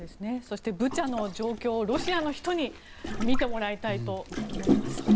そして、ブチャの状況をロシアの人に見てもらいたいと思います。